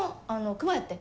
熊やって。